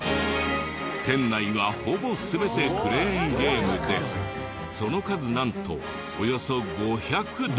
店内はほぼ全てクレーンゲームでその数なんとおよそ５００台！